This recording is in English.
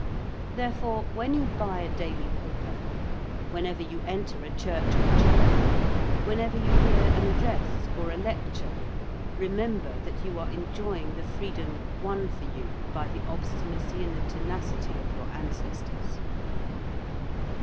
Therefore, when you buy a daily paper: whenever you enter a church or chapel: whenever you hear an address or a lecture remember that you are enjoying the freedom won for you by the obstinacy and the tenacity of your ancestors.